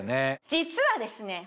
実はですね